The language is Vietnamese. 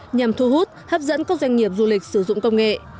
nhằm thu hút hấp dẫn các doanh nghiệp du lịch sử dụng công nghệ